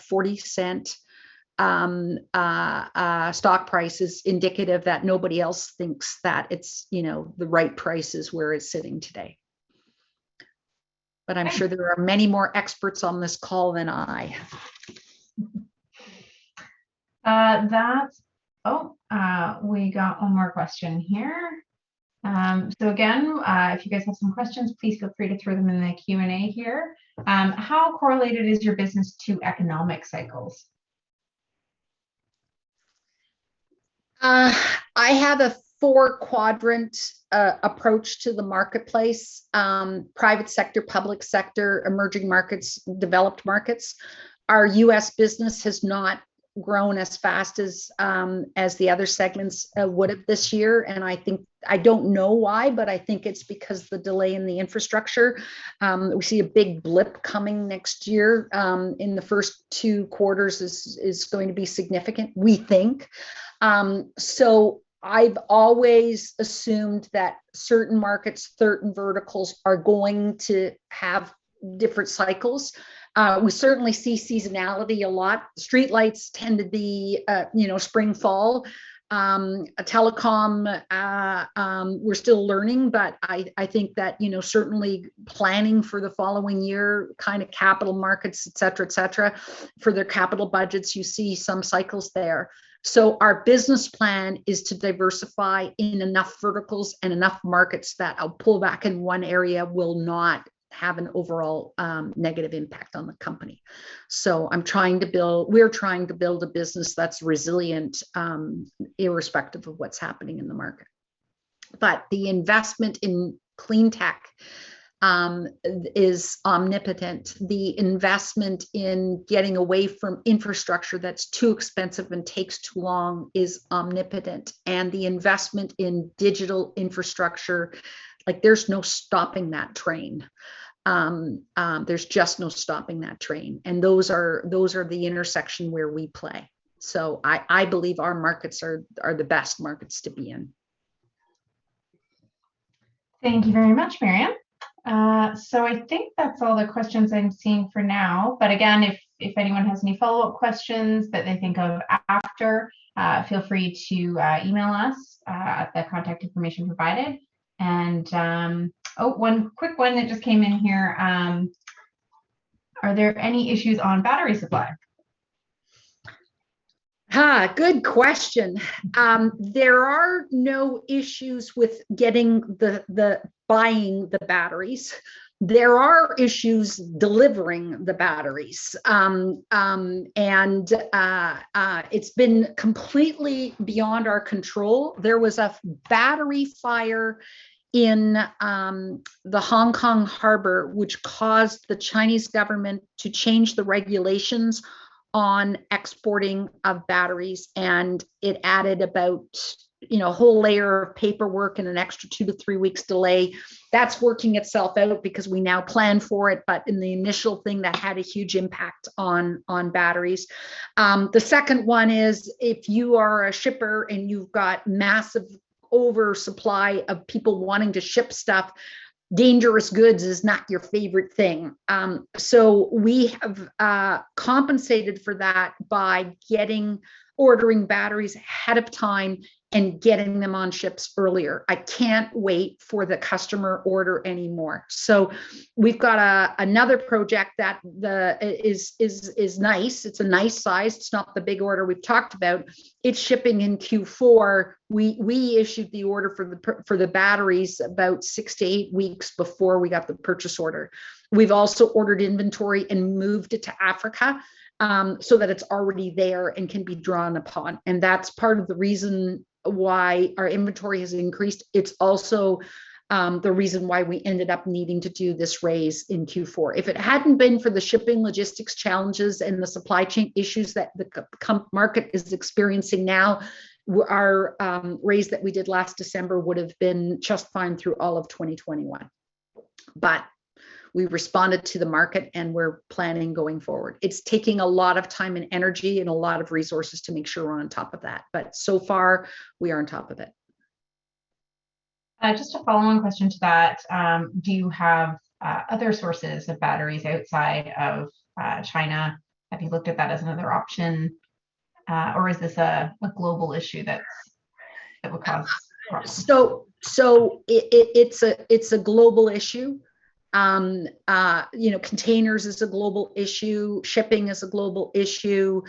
0.40 stock price is indicative that nobody else thinks that it's, you know, the right price is where it's sitting today. I'm sure there are many more experts on this call than I. We got one more question here. Again, if you guys have some questions, please feel free to throw them in the Q&A here. How correlated is your business to economic cycles? I have a four-quadrant approach to the marketplace. Private sector, public sector, emerging markets, developed markets. Our U.S. business has not grown as fast as the other segments would have this year. I think, I don't know why, but I think it's because the delay in the infrastructure. We see a big blip coming next year, in the first two quarters is going to be significant, we think. I've always assumed that certain markets, certain verticals are going to have different cycles. We certainly see seasonality a lot. Streetlights tend to be, you know, spring, fall. Telecom, we're still learning, but I think that, you know, certainly planning for the following year kind of capital markets, etc., etc., for their capital budgets. You see some cycles there. Our business plan is to diversify in enough verticals and enough markets that a pullback in one area will not have an overall negative impact on the company. We're trying to build a business that's resilient irrespective of what's happening in the market. The investment in clean tech is important. The investment in getting away from infrastructure that's too expensive and takes too long is important. The investment in digital infrastructure, like, there's no stopping that train. There's just no stopping that train, and those are the intersection where we play. I believe our markets are the best markets to be in. Thank you very much, Miriam. So I think that's all the questions I'm seeing for now. Again, if anyone has any follow-up questions that they think of after, feel free to email us at the contact information provided. Oh, one quick one that just came in here. Are there any issues on battery supply? Ha. Good question. There are no issues with buying the batteries. There are issues delivering the batteries. It's been completely beyond our control. There was a battery fire in the Hong Kong harbor which caused the Chinese government to change the regulations on exporting of batteries, and it added about, you know, a whole layer of paperwork and an extra two to three weeks delay. That's working itself out because we now plan for it, but in the initial thing that had a huge impact on batteries. The second one is if you are a shipper and you've got massive oversupply of people wanting to ship stuff, dangerous goods is not your favorite thing. We have compensated for that by ordering batteries ahead of time and getting them on ships earlier. I can't wait for the customer order anymore. We've got another project that it is nice. It's a nice size. It's not the big order we've talked about. It's shipping in Q4. We issued the order for the batteries about six to eight weeks before we got the purchase order. We've also ordered inventory and moved it to Africa, so that it's already there and can be drawn upon, and that's part of the reason why our inventory has increased. It's also the reason why we ended up needing to do this raise in Q4. If it hadn't been for the shipping logistics challenges and the supply chain issues that the comms market is experiencing now, our raise that we did last December would've been just fine through all of 2021. We responded to the market, and we're planning going forward. It's taking a lot of time and energy and a lot of resources to make sure we're on top of that. So far, we are on top of it. Just a follow-on question to that. Do you have other sources of batteries outside of China? Have you looked at that as another option, or is this a global issue that would cause It's a global issue. You know, containers is a global issue. Shipping is a global issue.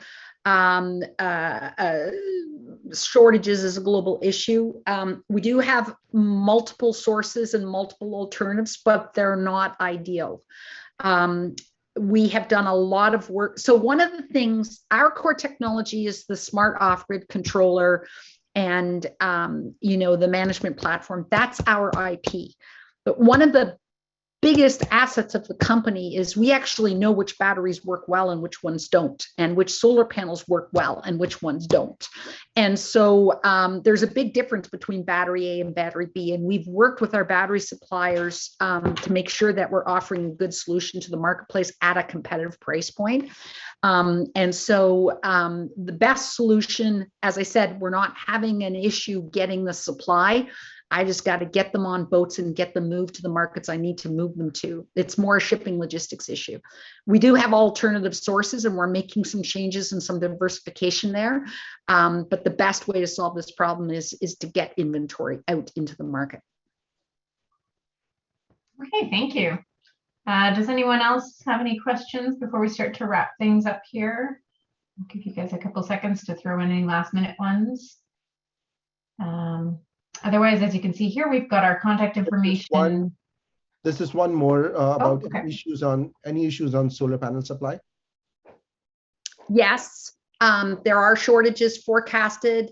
Shortages is a global issue. We do have multiple sources and multiple alternatives, but they're not ideal. We have done a lot of work. One of the things, our core technology is the Smart Off-Grid Controller and, you know, the management platform. That's our IP. One of the biggest assets of the company is we actually know which batteries work well and which ones don't, and which solar panels work well and which ones don't. There's a big difference between battery A and battery B, and we've worked with our battery suppliers, to make sure that we're offering a good solution to the marketplace at a competitive price point. The best solution, as I said, we're not having an issue getting the supply. I just gotta get them on boats and get them moved to the markets I need to move them to. It's more a shipping logistics issue. We do have alternative sources, and we're making some changes and some diversification there. The best way to solve this problem is to get inventory out into the market. Okay. Thank you. Does anyone else have any questions before we start to wrap things up here? I'll give you guys a couple seconds to throw in any last-minute ones. Otherwise as you can see here, we've got our contact information. This is one more. Oh, okay. About any issues on solar panel supply? Yes. There are shortages forecasted.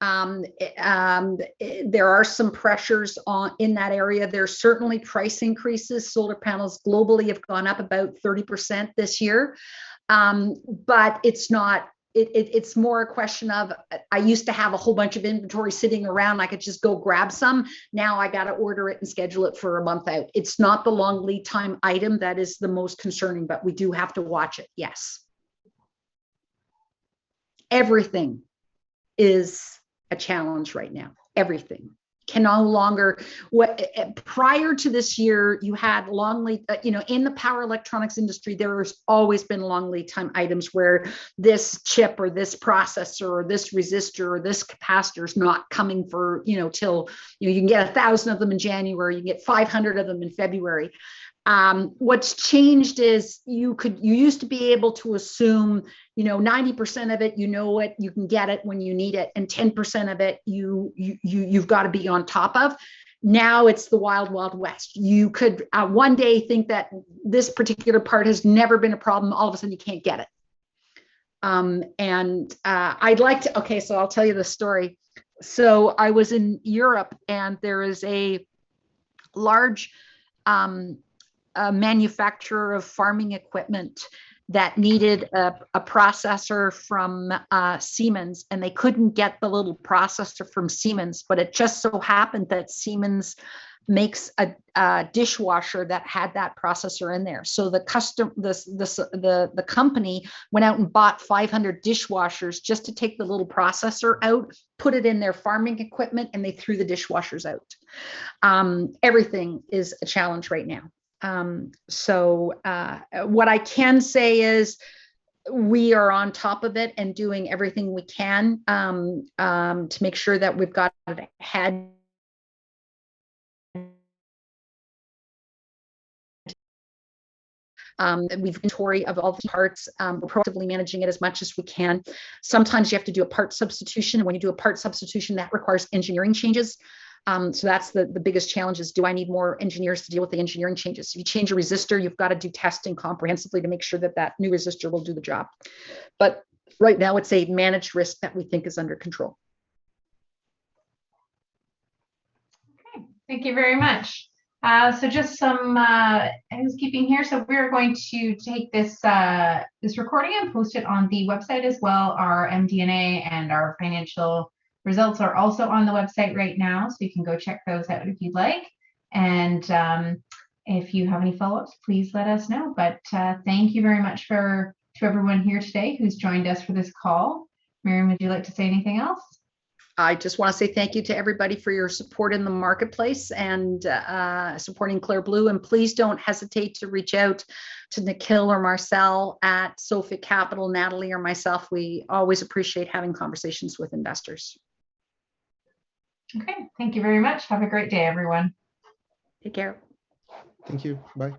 There are some pressures on in that area. There are certainly price increases. Solar panels globally have gone up about 30% this year. It's more a question of, I used to have a whole bunch of inventory sitting around, I could just go grab some. Now I gotta order it and schedule it for a month out. It's not the long lead time item that is the most concerning, but we do have to watch it, yes. Everything is a challenge right now. Everything. Prior to this year, we had long lead time items. You know, in the power electronics industry, there has always been long lead time items where this chip or this processor or this resistor or this capacitor's not coming for, you know, till. You know, you can get 1,000 of them in January, you can get 500 of them in February. What's changed is you used to be able to assume, you know, 90% of it you know it, you can get it when you need it, and 10% of it you've gotta be on top of. Now it's the Wild Wild West. You could one day think that this particular part has never been a problem, all of a sudden you can't get it. Okay, I'll tell you this story. I was in Europe, and there is a large manufacturer of farming equipment that needed a processor from Siemens, and they couldn't get the little processor from Siemens, but it just so happened that Siemens makes a dishwasher that had that processor in there. The company went out and bought 500 dishwashers just to take the little processor out, put it in their farming equipment, and they threw the dishwashers out. Everything is a challenge right now. What I can say is we are on top of it and doing everything we can to make sure that we've got ahead. We've inventory of all the parts, proactively managing it as much as we can. Sometimes you have to do a part substitution, and when you do a part substitution, that requires engineering changes. That's the biggest challenge is, do I need more engineers to deal with the engineering changes? If you change a resistor, you've gotta do testing comprehensively to make sure that new resistor will do the job. Right now it's a managed risk that we think is under control. Okay. Thank you very much. Just some housekeeping here. We're going to take this recording and post it on the website as well. Our MD&A and our financial results are also on the website right now, so you can go check those out if you'd like. If you have any follow-ups, please let us know. Thank you very much to everyone here today who's joined us for this call. Miriam, would you like to say anything else? I just wanna say thank you to everybody for your support in the marketplace, and supporting Clear Blue, and please don't hesitate to reach out to Nikhil or Marcel at Sophic Capital, Natalie or myself. We always appreciate having conversations with investors. Okay. Thank you very much. Have a great day, everyone. Take care. Thank you. Bye.